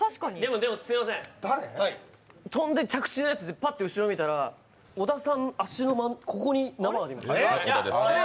でもすみません、飛んで着地のやつでパッと後ろ見たら、小田さん、足のここに縄がありました。